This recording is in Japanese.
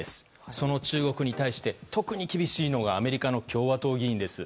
その中国に対して特に厳しいのがアメリカの共和党議員です。